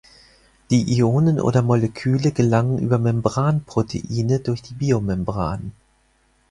Die Ionen oder Moleküle gelangen über Membranproteine durch die Biomembran.